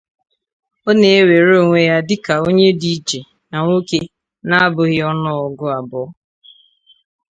Ọ na-ewere onwe ya dị ka onye dị iche na nwoke na-abụghị ọnụọgụ abụọ.